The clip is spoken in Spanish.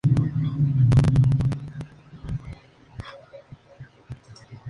Falta la nave que debía completar la obra hacia al oeste.